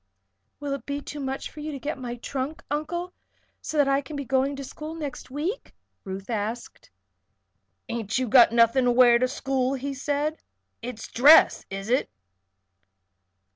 "Will it be too much trouble for you to get my trunk, Uncle, so that I can begin going to school next week?" Ruth asked. "Ain't you got nothin' to wear to school?" he said. "It's dress; is it?